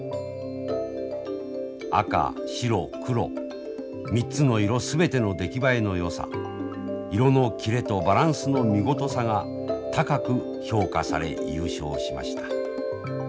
赤白黒３つの色全ての出来栄えのよさ色の切れとバランスの見事さが高く評価され優勝しました。